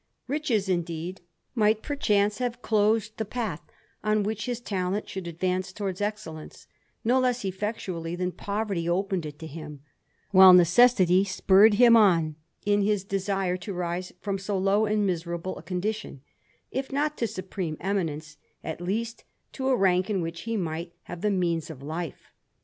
Riches, indeed, might perchance have closed the path on which his talent should advance towards excellence, no less effectually than poverty opened it to him, while necessity spurred him on in his desire to rise from so low and miserable a condition, if not to supreme eminence, at least to a rank in which he might have the means of life.